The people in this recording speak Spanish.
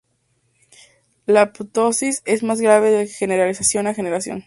La ptosis es más grave de generación a generación.